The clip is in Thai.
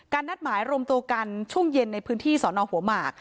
นัดหมายรวมตัวกันช่วงเย็นในพื้นที่สอนอหัวหมาก